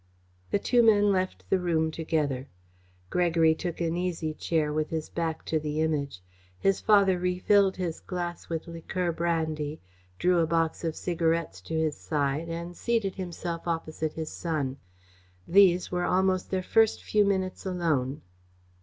The two men left the room together. Gregory took an easy chair with his back to the Image. His father refilled his glass with liqueur brandy, drew a box of cigarettes to his side and seated himself opposite his son. These were almost their first few minutes alone.